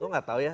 gue gak tau ya